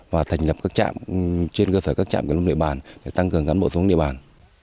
và thành lập các trạm trên cơ sở các trạm kiểm lâm địa bàn để tăng cường cán bộ xuống địa bàn